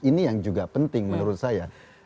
ini yang juga penting menurut saya